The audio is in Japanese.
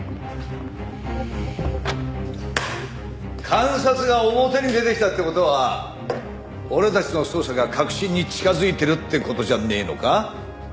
監察が表に出てきたって事は俺たちの捜査が核心に近づいてるって事じゃねえのか？